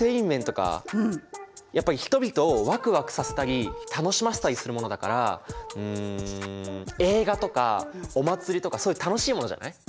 やっぱり人々をワクワクさせたり楽しませたりするものだからうん映画とかお祭りとかそういう楽しいものじゃない？